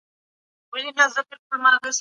زغم مهم دی.